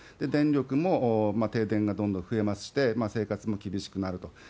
電力も停電がどんどん増えまして、生活も厳しくなると。